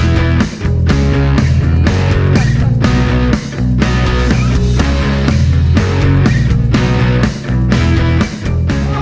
มีภาพมาให้ดูด้วยใช่ไหมคะ